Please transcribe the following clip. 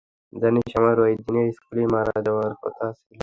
জানিস, আমার ঐ দিনেই স্কুলেই মারা যাবার কথা ছিল।